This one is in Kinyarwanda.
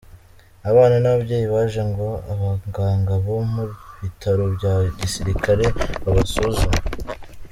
Abana n’ababyeyi baje ngo abaganga bo mu bitaro bya Gisirikare babasuzume.